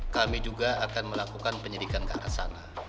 kami juga akan melakukan penyidikan ke arah sana